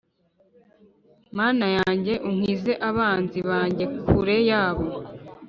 Mana yanjye unkize abanzi banjye kure yabo